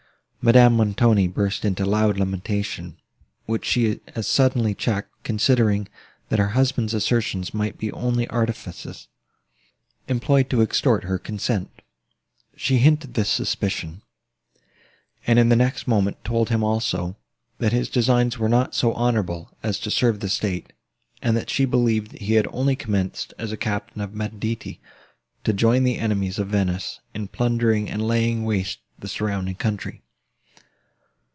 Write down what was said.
Madame Montoni burst into loud lamentation, which she as suddenly checked, considering, that her husband's assertions might be only artifices, employed to extort her consent. She hinted this suspicion, and, in the next moment, told him also, that his designs were not so honourable as to serve the state, and that she believed he had only commenced a captain of banditti, to join the enemies of Venice, in plundering and laying waste the surrounding country.